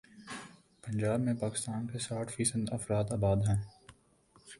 پنجاب میں پاکستان کے ساٹھ فی صد افراد آباد ہیں۔